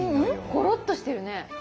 ゴロッとしてるね。